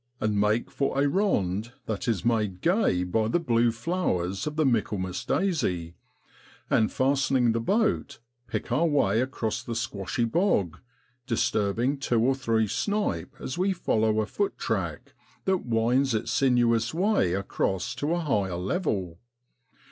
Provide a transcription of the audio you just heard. Ill and make for a rond that is made gay by the blue flowers of the Michaelmas daisy, and fastening the boat, pick our way across the squashy bog, disturbing two or three snipe as we follow a foot track that winds its sinuous way across to a higher level.